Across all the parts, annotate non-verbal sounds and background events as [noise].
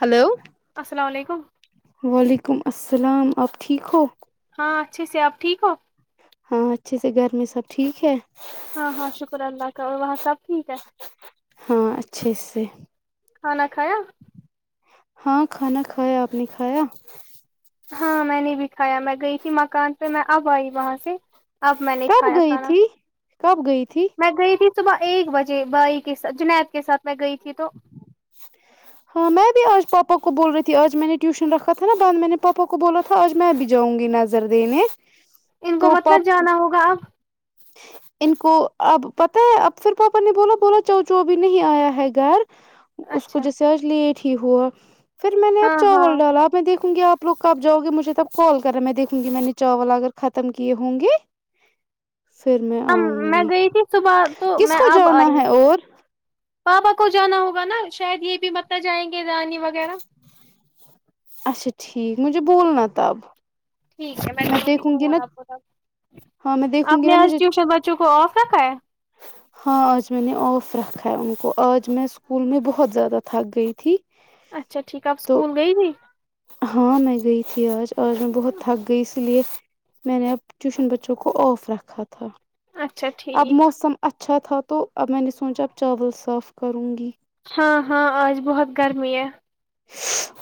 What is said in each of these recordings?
hello السلام علیکم وعلیکم السلام آپ ٹھیک ہو ہاں اچھے سے آپ ٹھیک ہو ہاں اچھے سے گھر میں سب ٹھیک ہے ہاں ہاں شکر اللہ کا اور وہاں سب ٹھیک ہے ہاں اچھے سے کھانا کھایا ہاں کھانا کھایا آپ نے کھایا ہاں میں نے بھی کھایا میں گئی تھی مکان پے میں اب آئی وہاں سے اب میں نے کب کھایا گئی کھانا تھی کب گئی تھی میں گئی تھی صبح ایک بجے بھائی کے سات جنید کے ساتھ میں گئی تھی تو [inaudible] ہاں میں بھی آج پاپا کو بول رہی تھی آج میں نے ٹیوشن رکھا تھا بعد میں نے پاپا کو بولا تھا تھا آج میں بھی جاؤں گی نظر دینے ان کو تو پاپ مطلب جانا ہوگا اب ان کو اب پتہ ہے اب پھر پاپا نے بولا بولا جاؤ جاؤ ابھی نہیں آیا ہے گھر اس کو اچھا جیسے آج لیٹ ہی ہوا پھر میں نے ہاں اب ہاں چاول ڈالا میں دیکھوں گی آپ لوگ کب جاؤ گے مجھے تب کال کرے میں دیکھوں گی میں نے چاول اگر ختم کیے ہوں گے پھر میں ہم آؤں میں گی گئی تھی صبح تو کس کو جانا ہے اور پابا کو جانا ہوگا نا شاید یے بھی متہ جائیں گے رانی وغیرہ اچھا ٹھیک مجھے بولنا تب ٹھیک ہے میں کروں گی فون آپ کو تب ہاں میں دیکھوں آپ گی نے نا آج مجھے ٹیوشن بچوں کو آف رکھا ہے ہاں آج میں نے آف رکھا ہے ان کو آج میں اسکول میں بہت زیادہ تھک گئی تھی اچھا ٹھیک ہے آپ تو اسکول گئی تھی ہاں میں گئی تھی آج آج میں بہت تھک گئی اسی لیے میں نے اب ٹیوشن بچوں کو آف رکھا تھا اچھا اب ٹھیک موسم اچھا تھا تو اب میں نے سوچا اب چاول صاف کروں گی ہاں ہاں آج بہت گرمی ہے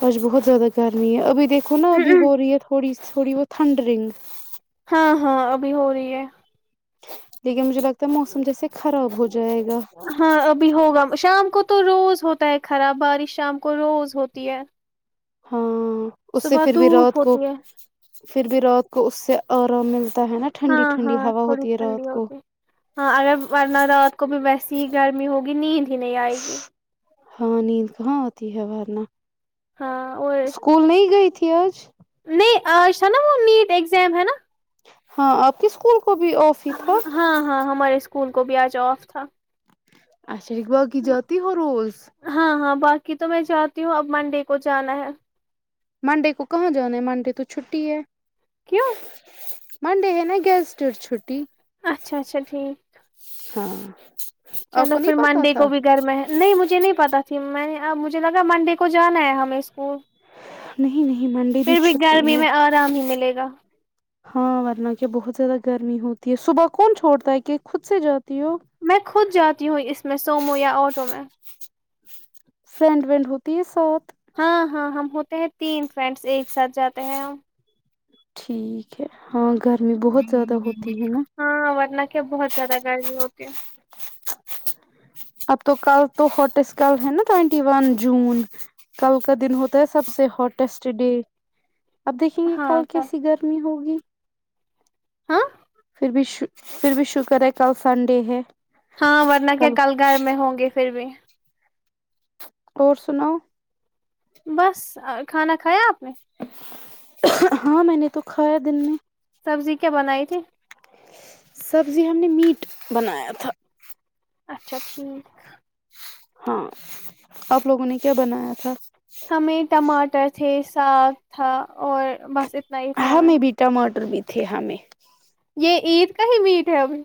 آج بہت زیادہ گرمی ہے ابھی دیکھو نا ابھی ہو رہی ہے تھوڑی تھوڑی بہت تھنڈ رنگ ہاں ہاں ابھی ہو رہی ہے لیکن مجھے لگتا ہے موسم جیسے خراب ہو جائے گا ہاں ابھی ہوگا شام کو تو روز ہوتا ہے خراب بارش شام کو روز ہوتی ہے ہاں اس سے صبح پھر بھی دھوپ رات کو ہوتی ہے پھر بھی رات کو اس سے آرام ملتا ہے نا ہاں ٹھنڈی ٹھنڈی ہاں ہوا تھوڑی ہوتی ہے ٹھنڈی رات کو ہوتی ہے ہاں اگر ورنہ رات کو بھی ویسی ہی گرمی ہوگی نیند ہی نہیں آئے گی ہاں نیند کہاں آتی ہے وارنہ ہاں اور اسکول نہیں گئی تھی آج نہیں آج تھا نا وہ نیٹ اگزم ہے نا ہاں آپ کے اسکول کو بھی آف ہی تھا ہاں ہاں ہمارے اسکول کو بھی آج آف تھا اچھا باقی جاتی ہو روز ہاں ہاں باقی تو میں جاتی ہوں اب منڈے کو جانا ہے مانڈے کو کہاں جانا ہے مانڈے تو چھٹی ہے کیوں منڈے ہے نا گیسٹر چھٹی اچھا اچھا ٹھیک ہاں آپ چلو کو نہیں پھر پتا منڈے تھا کو بھی گھر میں ہے نہیں مجھے نہیں پتہ تھی میں اب مجھے لگا منڈے کو جانا ہے ہمیں اسکول نہیں نہیں منڈے پھر بھی چھٹی گرمی ہے میں آرام ہی ملے گا ہاں ورنہ کیا بہت زیادہ گرمی ہوتی ہے صبح کون چھوڑتا ہے کہ خود سے جاتی ہو میں خود جاتی ہوں اس میں سومویا آٹو میں فرینڈ ورینڈ ہوتی ہے ساتھ ہاں ہاں ہم ہوتے ہیں تین فرینڈس ایک ساتھ جاتے ہیں ہم ٹھیک ہے ہاں گرمی بہت زیادہ ہوتی ہے نا ہاں ورنہ کیا بہت زیادہ گرمی ہوتی ہے اب تو کل تو ہوٹسٹ کل ہے نا ٹوینٹی ون جون کل کا دن ہوتا ہے سب سے ہاٹیسٹ ڈے اب دیکھیں گے کل کیسی گرمی ہوگی ہاں پھر بھی پھر بھی شکر ہے کل سنڈے ہے ہاں ورنہ کیا کل گھر میں ہوں گے پھر بھی اور سناؤ بس کھانا کھایا آپ نے ہاں میں نے تو کھایا دن میں سبزی کیا بنائی تھی سبزی ہم نے میٹ بنایا تھا اچھا ٹھیک ہاں آپ لوگوں نے کیا بنایا تھا آج ہمیں ٹماٹر تھے ساگ تھا اور بس اتنا ہی تھا ہمیں ٹماٹر بھی تھے ہمیں یے عید کا ہی میٹ ہے ابھی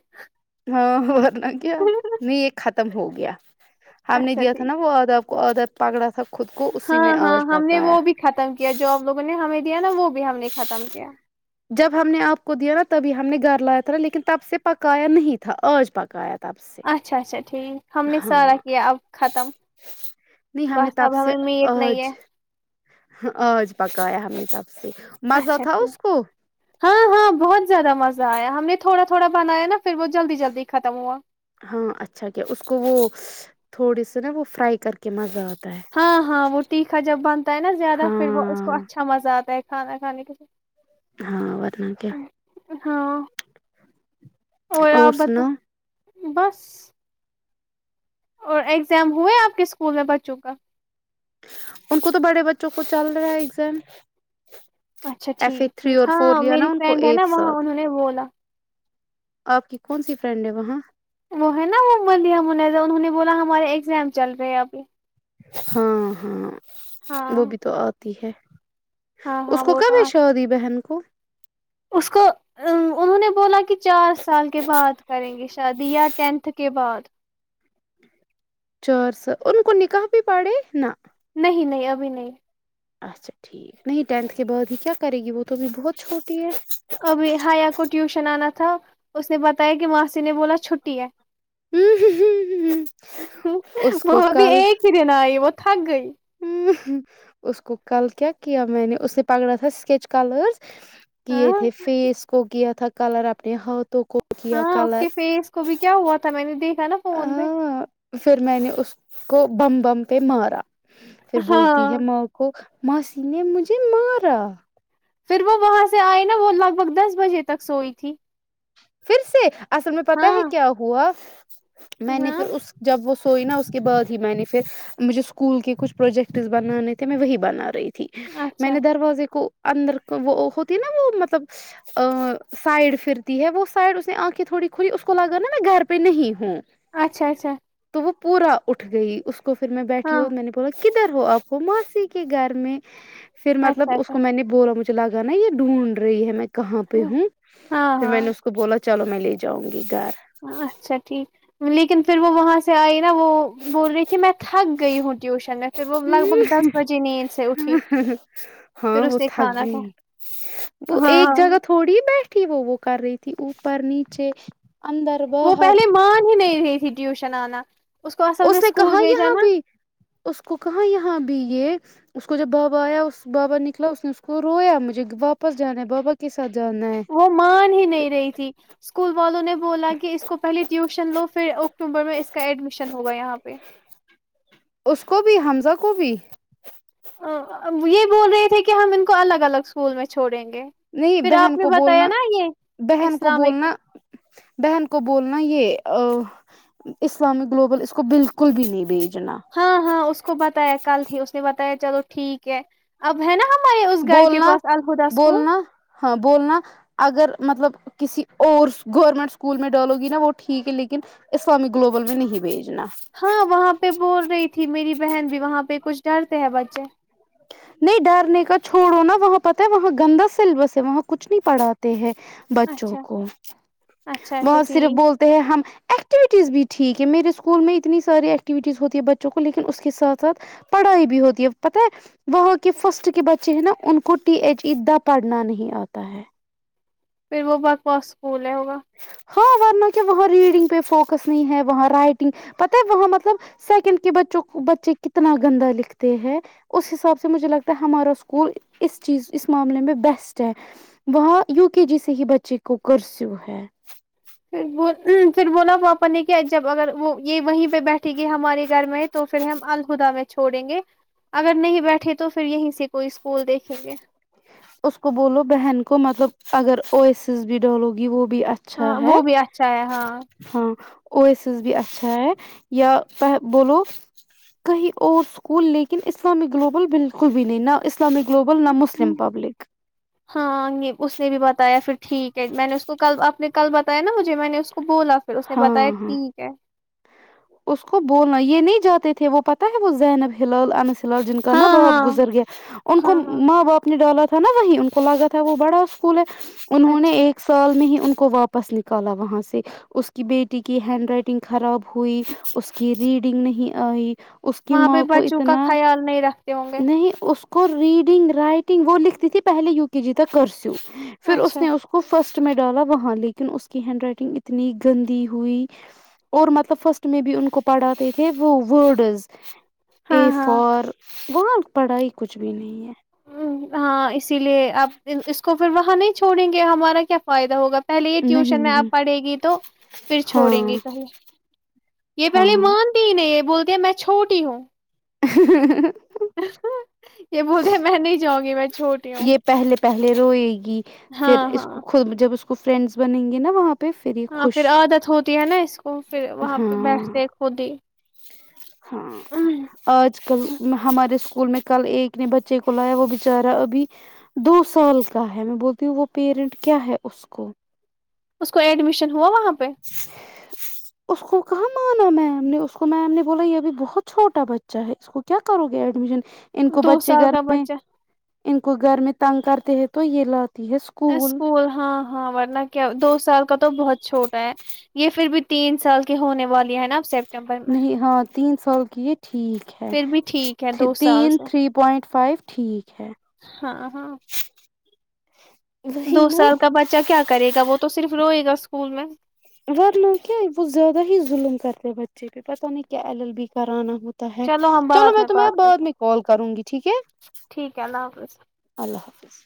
ہاں ورنہ کیا نہیں یہ ختم ہو گیا ہم نے اچھا دیا تھا ٹھیک نا وہ ادب ادا پگڑا تھا خود کو اسی ہاں میں ہاں آج ہم نے پکایا وہ بھی ختم کیا جو آپ لوگوں نے ہمیں دیا نا وہ بھی ہم نے ختم کیا جب ہم نے آپ کو دیا نا تبھی ہم نے گھر لایا تھا نا لیکن تب سے پکایا نہیں تھا آج پکایا تھا اچھا اچھا ٹھیک ہم نے سارا کیا اب ختم نہیں ہم نے بس اب تب سے ہمیں میٹ نہیں ہے آج آج پکایا ہمیں سب سے مزہ اچھا تھا اس ٹھیک کو ہاں ہاں بہت زیادہ مزہ آیا ہم نے تھوڑا تھوڑا بنایا نا پھر وہ جلدی جلدی ختم ہوا ہاں اچھا کیا اس کو وہ تھوڑی سی نا وہ فرائی کر کہ مزہ آتا ہے ہاں ہاں وہ تٹیکھا جب بنتا ہے نا زیادہ پھر وہ اس کو ہاں اچھا مزہ آتا ہے کھانا کھانے کے لی ہاں ورنہ کیا ہاں اور آپ بتا بس اور ایگزام ہوئے آپ کے اسکول میں بچوں کا ان کو تو بڑے بچوں کو چل رہا ہے ایگزام اچھا ایف اے ٹھیک تھری اور فور لیا نا ان کو ایک ساتھ میں بولا آپ کی کون سی فرینڈ ہے وہاں وہ ہے نا وہ منیہ منیزہ انہوں نے بولا ہمارے ایگزام چل رہے ہیں ابھی ہاں ہاں وہ ہاں بھی تو آتی ہے ہاں اس ہاں کو وہ تو کب ہے آ- شادی بہن کو اس کو ا انہوں نے بولا کہ چار سال کے بعد کریں گے شادی یا ٹینتھ کے بعد چار سا ل ان کو نکاح بھی پڑے نا نہیں نہیں ابھی نہیں اچھا ٹھیک نہیں ٹینتھ کے بعد ہی کیا کرے گی وہ تو ابھی بہت چھوٹی ہے ابھی ہیا کو ٹیوشن آنا تھا اس نے بتایا کہ ماسی نے بولا چھٹی ہے اس [unintelligible] کو وہاں بھی ایک پھرے ن یہ وہ تھک گئی ہ اس کو کل کیا کیا میں نے اس نے پکڑا تھا اسکیچ کلرس ہاں کیے تھے فیس کو کیا تھا کلر اپنے ہاٹھ ہاں اس کے فیس کو بھی کیا ہوا تھا میں نے دیکھا نا فون پہ ہاں پھر میں نے اس کو بندھ بندہ کے مارا پھر ہاں بولتی ہے ماں کو ماسی نے مجھے مارا پھر وہ وہاں سے آئے نا وہ لگ بھگ دس بجے تک سوئی تھی پھر سے اصل میں پتا ہاں ہے کیا ہوا میں نے ہاں پھر اس جب وہ سوئی نا اس کے بعد ہی میں نے پھر مجھے اسکول کے کچھ پروجیکٹس بنانے تھے میں وہی بنا رہی تھی میں اچھا نے دروازے کو اندر وہ ہوتی نا وہ مطلب ا سائڈ پھرتی ہے وہ سائڈ اسے آنکھیں تھوڑی کھلی اس کو لگا میں گھر پہ نہیں ہوں اچھا اچھا تو وہ پورا اٹھ گئی اس کو پھر میں بیٹھی ہاں اور میں نے کدھر ہو آپ کو موسی کے گھر میں پھر مطلب اچھا اس اچھا کو میں نے بولا مجھے لگا نا یے ڈھونڈ رہی ہے میں کہاں پے ہوں ہاں پھر میں ہاں نے اس تو بولا چلو میں لے جاؤں گی گھر اچھا ٹھیک لیکن پھر وہ وہاں سے آئی نا وہ بول رہی تھی میں تھک گئی ہوں ٹیوشن میں پھر وہ لگ بگ دس بجے نیند سے اٹھی ہاں پھر وہ اس نے تھک کھانا گئی تھا وہ ایک ہاں جگہ تو تھوڑی بیٹھی وہ وہ کر رہی تھی اوپر نیچے اندر وہ باہر پہلے مان ہی نہیں رہی تھی ٹیوشن آنا اس کو اصل میں نے اسکول کہاں بھیجا یہاں نا بھی اس کو کہاں یہاں بھی یے اس کو جب بابا آیا اس بابا نکلا اس نے اس کو رویا مجھے واپس جانا ہے بابا کے ساتھ جانا ہے وہ مان ہی نہیں رہی تھی اسکول والوں نے بولا کہ اس کو پہلے ٹیوشن لو پھر اکتوبر میں اس کا ایڈمیشن ہوگا یہاں پے اس کو بھی حمزہ کو بھی یے بول رہے تھے کہ ہم ان کو الگ الگ اسکول میں چھوڑیں گے نہیں پھر آپ بہن نے کو بتایا بولنا نا یے بہن کو اسلامک بولنا بہن کو بولنا یے آ اسلامک گلوبل اس کو بالکل بھی نہیں بھیجنا ہاں ہاں اس کو بتایا کل ہی اس نے بتایا چلو ٹھیک ہے اب ہے نا ہمارے اس گھر کے بولنا پاس الہدہ اسکول بولنا ہاں بولنا اگر مطلب کسی اور گورنمنٹ اسکول میں ڈالو گی نا وہ ٹھیک ہے لیکن اس سال میں گلوبل بھی نہیں بیجنا ہاں وہاں پے بول رہی تھی میری بہن بھی وہاں پے کچھ ڈرتے ہیں بچے نہیں ڈرنے کا چھوڑو نا وہاں پتہ ہے وہاں گندا سیلبس ہے وہاں کچھ نہیں پڑھاتے تے ہیں بچوں اچھا کو اچھا اچھا وہاں صرف ٹھیک بولتے ہیں ہم ایکٹیویٹیز بھی ٹھیک ہے میرے اسکول میں اتنی ساری ایکٹیویٹیز ہوتی ہے بچوں کو لیکن اس کے ساتھ ساتھ پڑھائی بھی ہوتی ہے پتہ ہے وہاں کے فرسٹ کے بچے ہیں نا ان کو ٹی ایچ یی اتنا پڑھنا نہیں آتا ہے پھر وہ بکواس اسکول ہے ہوگا ہاں ورنہ کیا وہاں ریڈنگ پے فوکس نہیں ہے وہاں رائٹنگ پتہ ہے وہاں مطلب سیکنڈ کے بچوں کو بچے کتنا گندا لکھتے ہیں اس حساب سے مجھے لگتا ہے ہمارا اسکول اس چیز اس معاملے میں بیسٹ ہے وہاں یو کے جی سے ہی بچے کو کرسو ہے پھر وہ ام پھر بولا وہپ نے کیا جب اگر وہ یے وہیں پے بیٹھے گی ہمارے گھر میں تو پھر ہم الہدا میں چھوڑیں گے اگر نہیں بیٹھے تو پھر یہیں سے کوئی اسکول دیکھیں گے اس کو بولو بہن کو مطلب اگر او ایس ایس بھی ڈالو گی وہ بھی اچ اچھا ہاں ہے وہ بھی اچھا ہے ہاں ہاں او ایس ایس بھی اچھا پہے بولو کہیں اور اسکول لیکن اسلامک گلوبل بالکل بھی نہیں نہ اسلامک گلوبل نہ مسلم پبلک ہاں اس نے بھی بتایا پھر ٹھیک ہے میں نے اس کو کل آپ نے کل بتایا نا مجھے میں نے اس کو بولا پھر اسے نے ہاں بتایا ہاں ٹھیک ہے اس کو بولنا یے نہیں جاتے تھے وہ پتہ ہے وہ زینب ہلاب انس ہلاب جن کا نا ہاں باپ ہاں گزر گیا ان کو ہاں ہاں ماں باپ ڈالا تھا نا وہی ان کو لگا تھا وہ بڑا اسکول ہے انہوں نے اچھا ایک سال میں ہی ان کو واپس نکالا وہاں سے اس کی بیٹی کی ہینڈ رائٹنگ خراب ہوئی اس کی ریڈنگ نہیں آئی اس کی وہاں پہ ماں کو بچوں کا اتنا خیال نہیں رکھتے ہوں گے نہیں اس کو ریڈنگ رائٹنگ وہ لکھتی تھی پہلے یو کے جی تک کرسیو پھر اس اچھا نے اس کو فرسٹ میں ڈالا وہاں لیکن اس کی ہینڈ رائٹنگ اتنی گندی ہوئی اور مطلب فرسٹ میں بھی ان کو پڑھاتے تھے وہ ورڈز ہاں اے ہاں فار وہاں پڑھائی کچھ بھی نہیں ہے ہاں اسی لیے آپ اس کو پھر وہاں نہیں چھوڑیں گے ہمارا کیا فائدہ ہوگا پہلے ہی نہیں ٹیوشن میں نہیں آپ پڑھے گی تو پھر چھوڑیں گے ہاں کہیں یہ پہلے ہاں مانتے ہی نہیں یہ بولتے میں چھوٹی ہوں [unintelligible] [inaudible] یہ بولتے ہے میں نہیں جاؤں گی میں چھوٹی ہوں یہ پہلے پہلے روئے گی پھر ہاں اس ہاں کو جب اس کو فرینڈس بنیں گے نا وہاں پہ یہ ہاں خوش پھر عادت ہوتی ہے نا اس کو پھر وہاں پہ ہاں بیٹھتے خود ہی ہاں آج کل ہمارے اسکول میں کل ایک نے بچے کو لایا وہ بچارا ابھی دو سال کا ہے میں بولتی ہوں وہ پیرنٹ کیا ہے اس کو اس کو ایڈمیشن ہوا وہاں پہ [inaudible] اس کو کہاں مانا میم نے اس کو میم نے بولا یہ ا بھی بہت چھوٹا بچہ ہے اس کو کیا کیا کرو گی ایڈمیشن ان کو دو بچے سال گھر کا میں بچہ ان کو گھر میں تنگ کرتے ہیں تو یہ لاتی ہے اسک اسکول ہاں ہاں ورنہ کیا دو سال کا تو بہت چھوٹا ہے یہ پھر بھی تین سال کی ہونے والی ہے نا سپٹمبر میں نہیں ہاں تین سال کی یہ ٹھیک ہے پھر بھی ٹھیک ہے دو سال تین سے تری پوائنٹ فائیو ٹھیک ہے ہاں ہاں دو وہی نا سال کا بچہ کیا کرے گا وہ تو صرف روئے گا اسکول میں ورنہ کیا وہ زیادہ ہی ظلم کرتے بچے پہ پتہ نہیں کیا ایل ایل بی کرانا ہوتا ہے ہم چلو بعد میں تمہیں بات بعد کرتے میں کال کروں گی ٹھیک ہے ٹھیک ہے اللہ حافظ اللہ حافظ